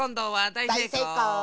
だいせいこう！